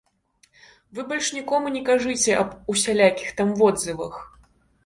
Вы больш нікому не кажыце аб усялякіх там водзывах.